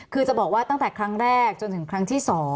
คือจะบอกว่าตั้งแต่ครั้งแรกจนถึงครั้งที่๒